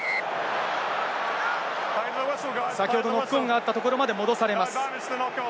先ほどノックオンがあったところまで戻されます。